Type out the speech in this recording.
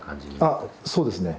あそうですね。